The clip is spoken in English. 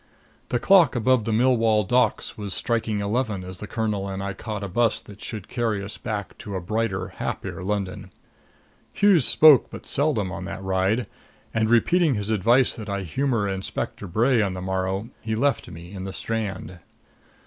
The clock above the Millwall Docks was striking eleven as the colonel and I caught a bus that should carry us back to a brighter, happier London. Hughes spoke but seldom on that ride; and, repeating his advice that I humor Inspector Bray on the morrow, he left me in the Strand.